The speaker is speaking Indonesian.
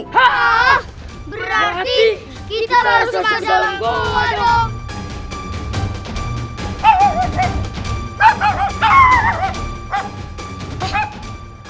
hah berarti kita harus masuk dalam gua dong